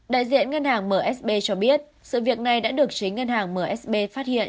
đại diện ngân hàng msb cho biết sự việc này đã được chính ngân hàng msb phát hiện